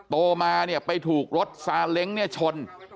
โตมาเนี่ยไปถูกรถซาเล้งเนี่ยชน